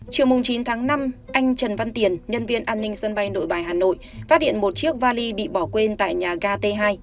chiều chín tháng năm anh trần văn tiền nhân viên an ninh sân bay nội bài hà nội phát hiện một chiếc vali bị bỏ quên tại nhà ga t hai